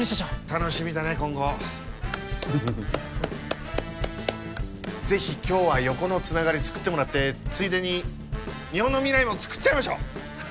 楽しみだね今後ぜひ今日は横のつながりつくってもらってついでに日本の未来もつくっちゃいましょう！